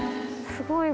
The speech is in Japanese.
すごい！